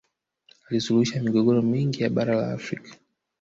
alisuluhisha migogoro mingi ya bara la afrika